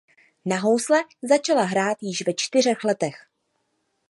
Na housle začala hrát již ve čtyřech letech.